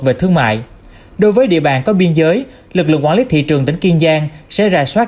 về thương mại đối với địa bàn có biên giới lực lượng quản lý thị trường tỉnh kiên giang sẽ rà soát